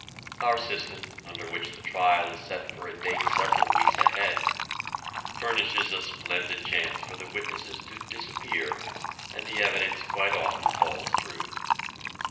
Our system, under which the trial is set for a date several weeks ahead, furnishes a splendid chance for the witnesses to disappear, and the evidence quite often falls through.